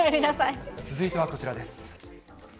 続いてはこちらです。